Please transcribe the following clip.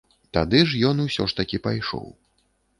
Тады ён усё ж такі пайшоў.